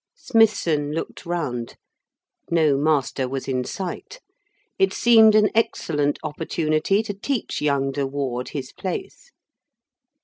Smithson looked round. No master was in sight. It seemed an excellent opportunity to teach young de Ward his place.